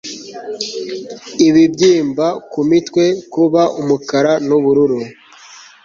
ibibyimba ku mitwe, kuba umukara n'ubururu